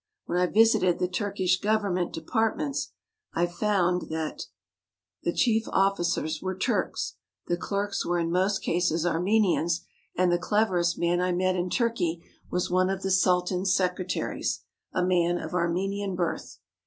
When I visited the Turkish government departments I found that, though 272 ARMENIA, THE SUFFERING the chief officers were Turks, the clerks were in most cases Armenians, and the cleverest man I met in Turkey was one of the Sultan's secretaries, a man of Armenian birth.